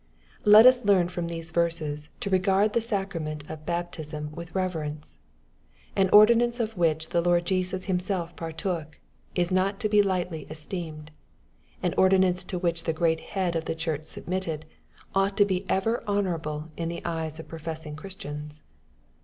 Let us learn from these verses to regard the sacrament of baptism with reverence. An ordinance of which the Lord Jesus Himself partook, is not to be lightly es teemed. An ordinance to which the great Head of the Church submitted, ought to be ever honorable in the tjyes of professing Christians.